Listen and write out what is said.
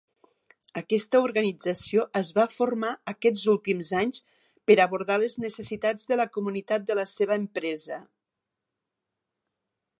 Aquesta organització es va formar aquests últims anys per abordar les necessitats de la comunitat de la seva empresa.